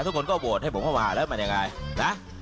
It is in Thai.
ทุกคนก็โหวตให้ผมเข้ามาแล้วมันยังไงนะ